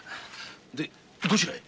でどちらへ？